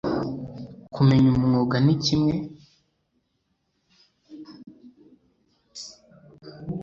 Kumenya umwuga ni kimwe